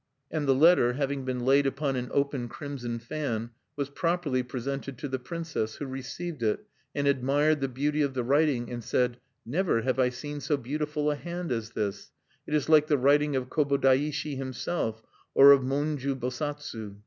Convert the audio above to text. And the letter, having been laid upon an open crimson fan, was properly presented to the princess, who received it, and admired the beauty of the writing, and said: "Never have I seen so beautiful a hand as this: it is like the writing of Kobodaishi himself, or of Monju Bosatsu.